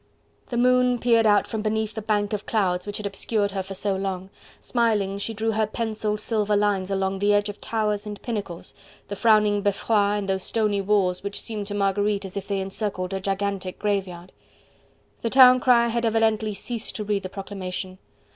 The moon peered out from beneath the bank of clouds which had obscured her for so long; smiling, she drew her pencilled silver lines along the edge of towers and pinnacles, the frowning Beffroi and those stony walls which seemed to Marguerite as if they encircled a gigantic graveyard. The town crier had evidently ceased to read the proclamation.